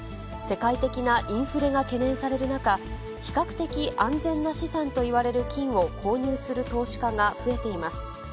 世界的なインフレが懸念される中、比較的安全な資産といわれる金を購入する投資家が増えています。